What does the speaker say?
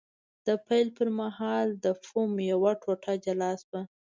د پیل پر مهال د فوم یوه ټوټه جلا شوه.